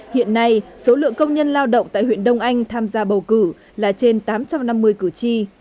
hiện nay số lượng công nhân lao động tại huyện đông anh tham gia bầu cử là trên tám trăm năm mươi cử tri